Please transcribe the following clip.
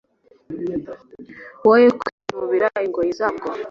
woye kwinubira ingoyi zabwo